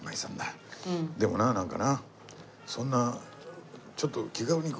でもななんかなそんなちょっと気軽に。